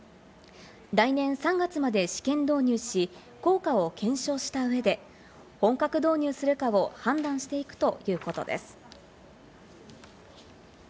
来年３月まで試験導入し、効果を検証した上で本格導入するかを判断していくということです。